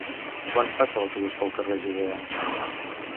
Quan passa l'autobús pel carrer Judea?